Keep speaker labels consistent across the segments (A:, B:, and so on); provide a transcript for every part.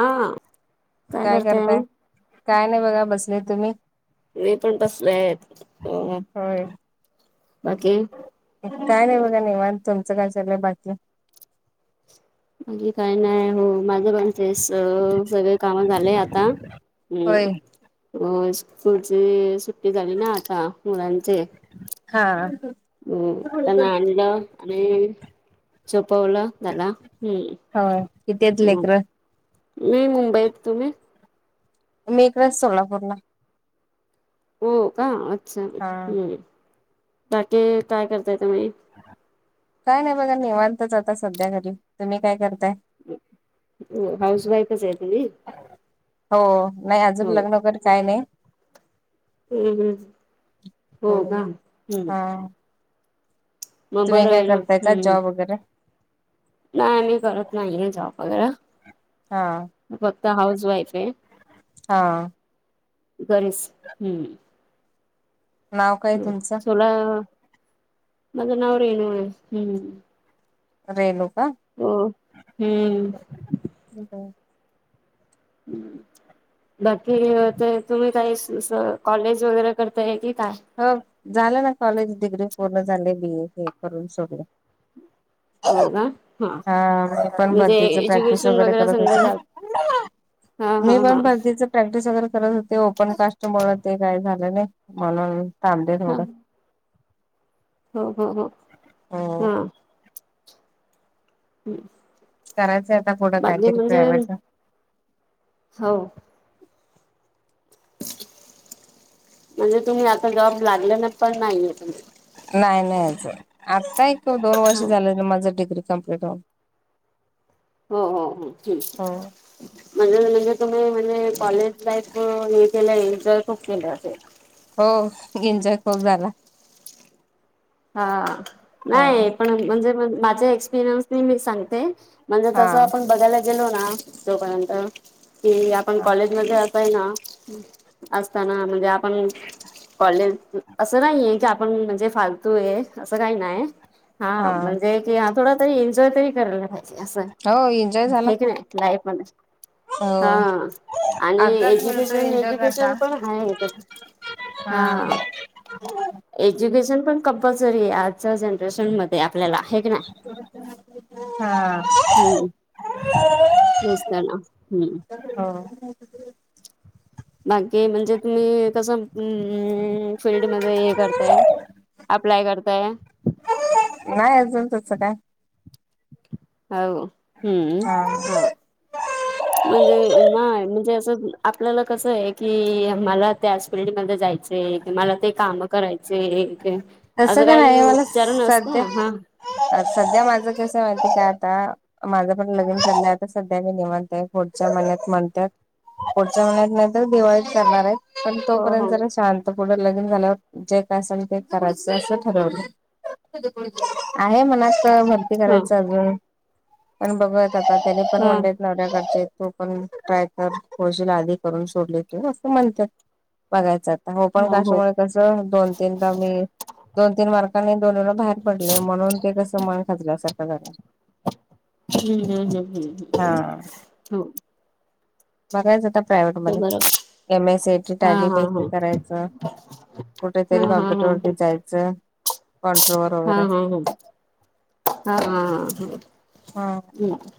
A: आं
B: काय करताय? काय नाही बघा बसले तुम्ही?
A: मी पण बसलेय म,
B: होय.
A: बाकी?
B: काय नाही बघा निवांत, तुमचं काय चाललंय बाकी?
A: माझ काय नाही हो माझ पण ते स सगळे काम झालय आता,
B: होय
A: हम्म हो स्कूलची सुट्टी झाली ना आता मुलांचे
B: हा
A: हम त्यांना आणल आणि झोपवलं त्याला
B: होय किती आहेत
A: हम्म मग
B: लेकरं
A: मी मुंबईत तुम्ही?
B: मी इकडं सोलापूरला
A: हो का अच्छा
B: हा.
A: हम्म बाकी काय करताय तुम्ही?
B: काय नाही बघा निेवांतच आता सध्या घरी, तुम्ही काय करताय?
A: हाऊस वाईफच हायत मी
B: हो नाही अजून लग्नकर काय नाही
A: हम्, हम् हो का हम्म
B: हा
A: मग
B: तुम्ही
A: बरं
B: काय
A: आहे ना
B: करताय काय जॉब वगैरे
A: नाय आम्ही करत नाहीये जॉब वगैरा
B: हा
A: फक्त हाऊस वाईफ हे
B: हा
A: घरीच हम्म.
B: नाव काय
A: हम्
B: तुमचं
A: चला माझं नाव रेणू हाय. हम्म
B: रेणू का?
A: हो, हम्म
B: [unintelligible]
A: [unintelligible] बाकी ते तुम्ही काही असं कॉलेज वगैरे करताय की काय?
B: हो झालं ना कॉलेज डिग्री पूर्ण झालेय बी ए करून सगळं
A: [unintelligible] हो का, हा
B: मी पण
A: म्हणजे
B: भरतीच प्रॅक्टिस
A: एज्युकेशन वगैरे
B: करत
A: संग
B: होते
A: जात हा, हा,
B: मी
A: हा.
B: पण भरतीच प्रॅक्टिस वगैरे करत होते ओपन कास्टमुळ ते काय झालं नाही, म्हणून थांबलय
A: हा
B: थोडं
A: हो, हो, हो,
B: हो
A: हा. हम्म
B: करायचंय आता कुठं काहीतरी प्रायव्हेट!
A: हो, म्हणजे तुम्ही आता जॉब लागलं ना पण नाहीय?
B: नाही नाही अजून आत्ता एक दोन वर्ष
A: हो
B: झाले माझ डिग्री कंप्लीट होउन.
A: हो हो हो ठीक,
B: हो
A: म्हणजे म्हणजे तुम्ही म्हणजे कॉलेज लाईफ हे केलं इंटर खूप केलं असेल.
B: हो एन्जॉय खूप झाला!
A: हा
B: हा
A: नाही पण म्हणजे माझे एक्सपिरियन्सनी मी सांगते? म्हणजे
B: हा
A: तसं आपण बघायला गेलो ना तोपर्यंत कि आपण
B: हा
A: कॉलेजमध्ये आज. पाहिणा, असताना म्हणजे आपण कॉलेज असं नाहीये की आपण म्हणजे फार. तू आहे असं काही नाही! हा म्हणजे की हा थोडा तरी एन्जॉय तरी करायला पाहिजे असं.
B: हो एन्जॉय झाला
A: हे क
B: खूप
A: नाही लाईफ मध्ये!
B: हो
A: हा आणि
B: आताच मिळतो
A: एज्युकेशन
B: एन्जॉय करता
A: एज्युकेशन पण हा आहे तस.
B: हा,
A: एज्युकेशन पण कंपल्सरी आहे आजच्या जनरेशन मध्ये आपल्याला आहे की नाही.
B: हा,
A: हम् नसत ना हम्म!
B: हो,
A: बाकी म्हणजे तुम्ही कसं हम्म 'फीलल्डमध्ये हे करताय. अप्लाय करताय,
B: नाही अजून तस काय.
A: ह हम्म हा, म्हणजे नाही म्हणजे असं आपल्याला कसं आहे की मला त्या अस. ट्रेड मध्ये जायचे मला ते काम करायचे एक, असं
B: तसं काय
A: काही
B: नाही मला
A: उपचारण असतो
B: सध्या
A: ना हा!
B: सध्या माझं कस माहिती काय आता. माझं पण लग्न चाललय आता सध्या मी निवांत पुढच्या महिन्यात म्हणतात. पुढच्या महिन्यात नाही तर दिवाळीत जाणार आहे. पण
A: हो
B: तोपर्यंत
A: हो
B: जरा शांत पुुढे लगीन झाल्यावर जे काय असल ते! करायचं असं ठरवलं आहे मनातत भरती
A: ह
B: करायचं अजून. पण बघत आता त्यानी पण
A: ह
B: म्हणलय नवऱ्याकचा तो पण ट्राय कर थोडीशी आधी करून सोडली की असं म्हणत्यात. बघायचं आता हो पण काशामुळे कसं दोन तीन मी! दोन तीन मार्कांनी दोन वेळेला बाहेर पडले म्हणून ते कसं मन खाजल्यासारख्या झालंय.
A: हम्म हम् हम्म हम्
B: हा
A: हो,
B: बघायचं आता
A: ते
B: प्रायव्हेटमध्ये
A: बरोबर
B: M S C A T
A: हा
B: टाली
A: हा
B: बेस करायचं.
A: हा हा
B: कुठेेतरी
A: हा
B: कम्प्युटर वरती जायचं. कॉन्ट्रोवर वगैरे.
A: हम् हम् हम् हा हम हम हम्
B: हा
A: हम्,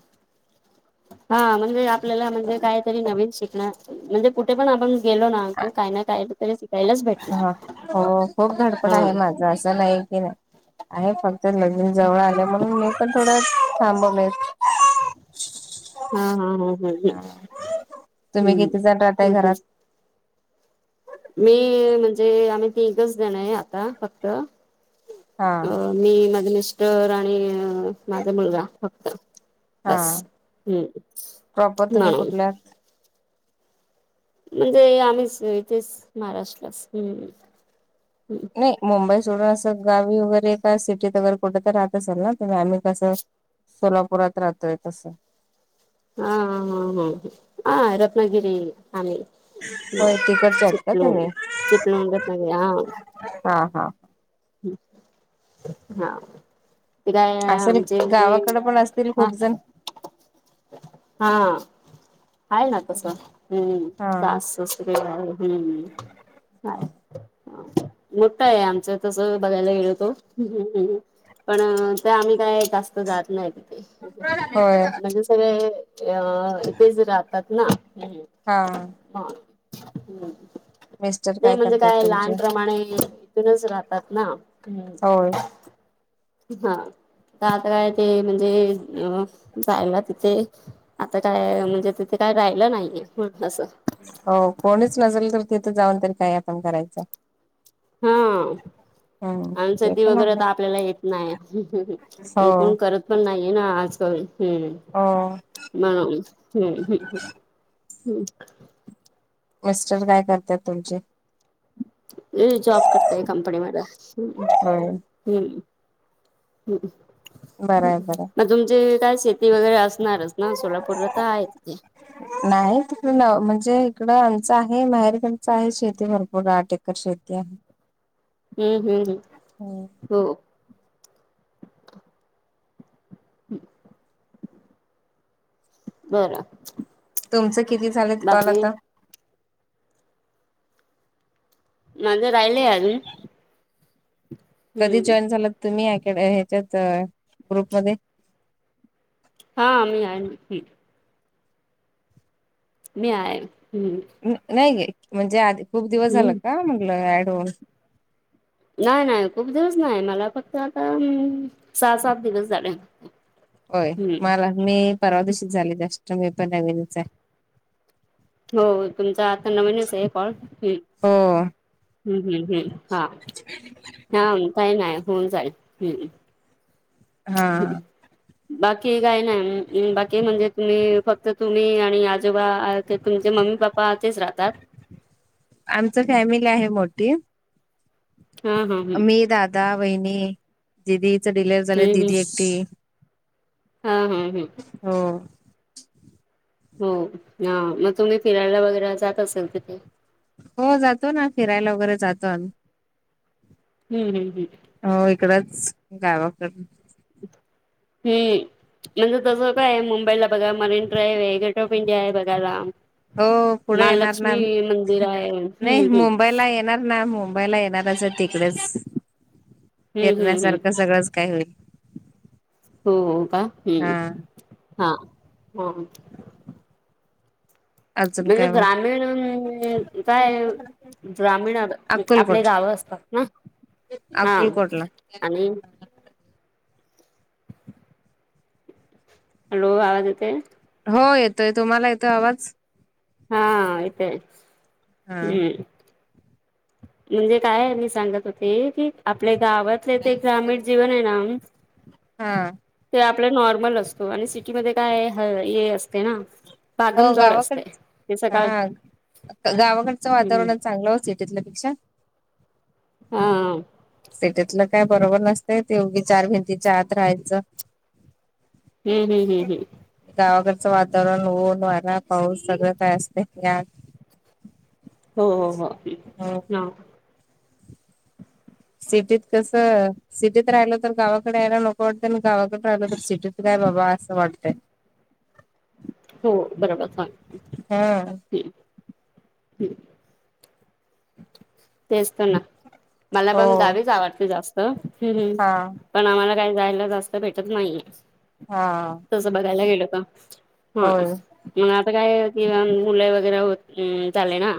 A: हा म्हणजे आपल्याला म्हणजे कायतरी नवीन शिकण म्हणजे कुठे पण आपण. गेलो ना कि काही ना काही तरी शिकायलाच
B: हा
A: भेटणार
B: हो खूप धडपड
A: हा!
B: आहे माझं असं नाही की नाही. आहे फक्त लग्न जवळ आले म्हणून मी पण थोड थांबवले.
A: हा हा हा हम् हम्
B: तुम्ही किती जण राहताय
A: हम्म म.
B: घरात?
A: मी म्हणजे, आम्ही तीघच जणंय, आता फक्त.
B: हा
A: अ मी, माझं मिस्टर आणि माझा मुलगा. फक्त.
B: हा
A: बस. हम्म.
B: प्रॉपर तुम्ही
A: म्हणून.
B: कुठल्यात?
A: म्हणजे आम्हीस, इथेस, महाराष्ट्रास. हम्. हम्.
B: नाही. मुंबई सोडून असं, गावी वगैरे का सिटीत, वगैरे कुठं तर राहत असेल ना तुम्ही? आम्ही कसं सोलापुरात राहतोय. तसं.
A: हा, हा, हा, ह. आ रत्नगिरी. आम्ही. आ
B: होय तिकडचे आहेत का तुम्ही?
A: चिपलून, चिपलूण - रत्नागिरी. हा.
B: हा, हा.
A: हं. हा. ते काय,
B: असेल
A: आमचे इकडे.
B: गावाकडे पण असतील
A: हा.
B: खूप जण
A: हा. आहे ना तसं. हम्म.
B: हा
A: असतंच. [unintelligible] हम्. [unintelligible] मोठाय आमचं, तसं बघायला गेलो तो. हम्, हम्, ह. पण ते आम्ही काय जास्त जात नाही तिथे.
B: होय
A: म्हणजे सगळे अ ईतेेच राहतात ना.
B: हा.
A: हा, ह्.
B: मिस्टर
A: नाही म्हणजे
B: करतात
A: काय,
B: तुमचे?
A: लहानप्रमाणे नच राहतात ना. हम्.
B: होय
A: ह. तर आता काय ते म्हणजे अ जायला तिथे आता काय म्हणजे, तिथे काय राहिलं नाहीये. असं.
B: हो, कोणीच नजल तर, तिथं जाऊन तरी, काय आपण करायचं.
A: हा आ.
B: हम्म
A: अन
B: ते
A: सती
B: पण
A: वगैरे
B: आहे
A: तर आपल्याला येत नाही. [unintelligible]
B: हो
A: अन् कोण करत पण नाहीये ना, आजकल. हम्म,
B: हो
A: म्हणून. हम्म हम्. हम्.
B: मिस्टर काय करत्यात तुमचे?
A: यी जॉब करतय कंपनीमध्ये. हम्.
B: होय
A: हम्म.
B: बरं
A: हम्.
B: आहे बरं आहे
A: मग तुमचे काय? शेती वगैरे असणारच ना. सोलापूरला तर आहेत की.
B: नाही. तिकड न म्हणजे, इकड आमचं आहे. माहेरकडचं आहे, शेती भरपूर आठ एक र शेती आहे.
A: हम्म, हम्म.
B: हम्म
A: हो. ह. बरं.
B: तुमचं किती झालेत कॉल
A: बाकी
B: आता?
A: माझं, राहिलंय अजून.
B: कधी
A: हम्म
B: जॉईन झालात तुम्ही? अकॅड - ह्याच्यात, अ ग्रुपमध्ये.
A: हा मी आन हम्. मी आहे. हम्म.
B: न नाही गे, म्हणजे आधी खूप दिवस झाल
A: हम्म
B: का? म्हनलं ऍड होऊन.
A: नाही- नाही. खूप दिवस नाही, मला फक्त आता सहा - सात दिवस झाले.
B: होय.
A: हम्म
B: मला मी परवा दिशीचं झाले. जस्ट, मी पण नवीनचाय.
A: हो तुमचा आता नवीनचय कॉल. हम्म.
B: हो
A: हम्म, हम्म, हम्म. हा, हा. काही नाही होऊन जाईल. हम्म.
B: हा.
A: बाकी काय नाही बाकी म्हणजे तुम्ही फक्त तुम्ही आणि आजोबा तुमचे मम्मी पप्पा इथेच राहतात.
B: आमच फॅमिली आहे मोठी.
A: हा हा हम्म
B: मी दादा, वहिणी दिदीच डिलेवरी झालं
A: हम्म हम्म
B: दीदी येती.
A: हा हा हम्म.
B: हो.
A: हो हा मग तुम्ही फिरायला वगैरे जात असेल तिथे.
B: हो जातो ना फिरायला वगैरे जातो आम्ही.
A: हम्म हम्म हम्म.
B: हो इकडच गावाकड ‌.
A: हम्म‌. म्हणजे तसं काय मुंबईला बघा मरीन ड्राईव्ह आहे, गेटवे ऑफ इंडिया आहे बघायला.
B: हो पुढे येणार ना
A: महालक्ष्मी मंदिर आहे.
B: नाही
A: हम्म हम्म.
B: मुंबईला येणार ना मुं बघायला येणार अस तिकडच
A: हम्म हम्म हम्म.
B: फिरण्यासारखं सगळंच काय होईल.
A: हो हो का
B: हा
A: हम्म हा हो.
B: अजून
A: म्हणजे
B: काय मग
A: ग्रामीण अं काय? ग्रामीण आब आपली
B: अक्कलकोट
A: गाव असतात ना. हा.
B: अक्कलकोटला.
A: आणि हॅलो आवाज येतोय.
B: हो येतोय तुम्हाला येतोय आवाज.
A: हा येतोय
B: हा
A: हम्म. म्हणजे काय आहे मी सांगत होते की, आपल्या गावात ते ते ग्रामीण जीवन आहे ना
B: हा
A: तेव्हा आपलं नॉर्मल असतो आणि सिटीमध्ये काय आहे, हे असते ना
B: हो
A: भागमजोड असते
B: गावाकडच
A: ते सकाळ
B: हा गावाकडचं
A: हम्म
B: वातावरणचं चांगलं असतं वो सिटीपेक्षा.
A: हा.
B: सिटीतलं काय बरोबर नसतंय, ते उगीचं चार भिंतीच्या आत राहायचं
A: हम्म हम्म हम्म हम्म.
B: गावाकरचं वातावरण ऊन, वारा पाऊस सगळं काय असतय या-
A: हो हो हो
B: हो
A: ना.
B: सिटीत कसं सिटीत राहिलो तर गावाकडे यायला नको वाटतंय, आणि गावाकडे राहिलो तर सिटीत काय बाबा असं वाटतंय.
A: हो बरोबर चालतंय हम्म. तेच तर ना मला
B: हो
A: पण गावीचं जाऊ वाटते जास्त
B: हा
A: पण आम्हाला काय जायला जास्त भेटत नाहीये.
B: हा.
A: तस बघायला गेल का हम्म?
B: होय
A: मग आता काय कि मुलं वगैरे होत चाले ना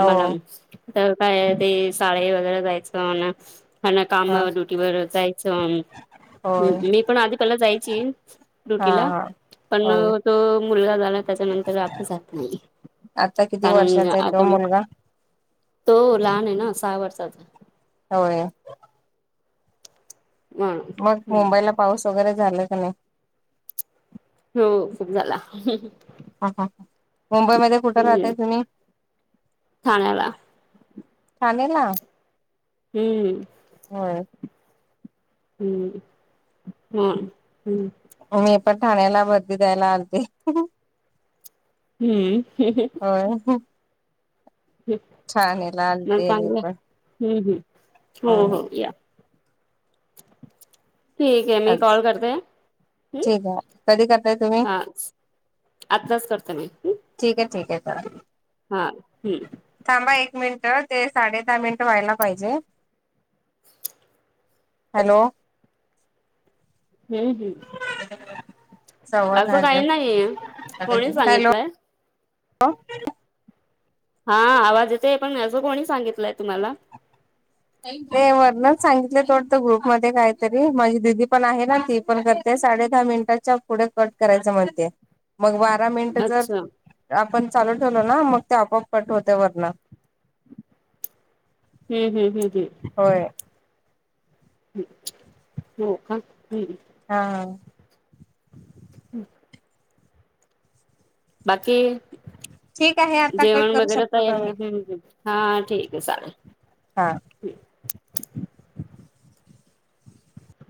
B: हो
A: तर काय ते शाळेत वगैरे जायचं म्हणा. आणि काम
B: हा
A: ड्युटी वर जायचं
B: होय
A: मी पण आधी पहीला जायची
B: हा
A: ड्युटीला
B: हा
A: पण
B: होय
A: तो मुलगा झाला त्याच्यानंतर आता जात नाही.
B: आता किती
A: कारण
B: वर्षाचा आहे तो
A: आता
B: मुलगा?
A: तो लहांन आहे नां सहा वर्षचा आहे.
B: होयं. मंग
A: म्हणून
B: मुंबईलां पाऊस वगैरें झालां कां नाहीं?
A: हो खूंप झालां.
B: हां हां मुंबईमध्यें कुठे राहताय तुम्हीं?
A: ठाण्यांला.
B: ठाणेलां.
A: हम्मं
B: होयं.
A: हम्मं हम्मं हम्मं.
B: मी पणं ठाण्यांला वर्दी द्यायला आलती.
A: हम्मं हं हं
B: होयं होयं
A: मं
B: आलते मी
A: चांगलं
B: पण
A: हम्मं हम्मं हो
B: होय
A: हो यां. ठीक आहे मी कॉल करते हंम
B: ठीक आहे कधी करताय तुम्ही
A: हां. आत्ताचं करते मी.
B: ठीक आहे ठीक आहे करां.
A: हां हम्मं
B: थांबा एक मिनिटं ते साडे दहा मिनिटं व्हांयला पाहिजे. हॅलो
A: हम्मं हम्मं
B: संवाद
A: असं कांहीं नाहींय. कोणी सांगितलंय?
B: हो
A: हां आवांज येतोय. पणं असं कोणी सांगितलंय तुम्हांला?
B: ते वरणचं सांगितले तोंडांत ग्रुप मध्यें कांहींतरी माझी दिदी पणं आहे नां ती. पणं करते साडे दहा मिनिटांच्या पुढे कंट करायचं म्हणते. मंग बारा मिनिटं
A: अच्छा
B: जरं आपणं चालूं ठेवलो नां मंंग ते आपोआप कंट होत्यां वर्ण.
A: हम्मं हम्मं हम्मं हम्मं
B: होयं
A: हो कां हम्मं हम्मं
B: हां हां
A: हम्मं बाकी
B: ठीक आहे आता कट
A: जेवणं
B: करू
A: वगैरें
B: शकतो
A: तयार
B: तुम्ही.
A: हम्मं. हां ठीक आहे सारं
B: हां